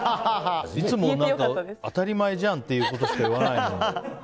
いつも、当たり前じゃんっていうことしか言わないのに。